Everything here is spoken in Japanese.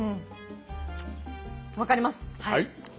分かります。